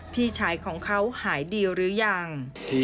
พี่ชายของเขาหายดีหรือยัง